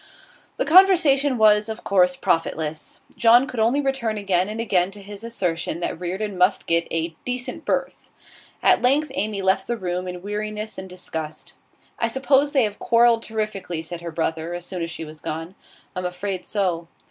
The conversation was, of course, profitless. John could only return again and again to his assertion that Reardon must get 'a decent berth.' At length Amy left the room in weariness and disgust. 'I suppose they have quarrelled terrifically,' said her brother, as soon as she was gone. 'I am afraid so.